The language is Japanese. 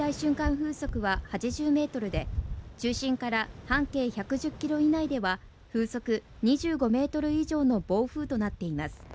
風速は８０メートルで中心から半径１１０ｋｍ以内では風速２５メートル以上の暴風となっています。